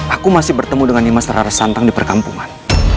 aku masih bertemu dengan dimas rara santang di perkampungan